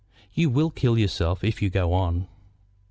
"You will kill yourself if you go on."